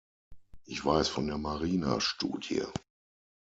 Ich weiß von der Marina-Studie.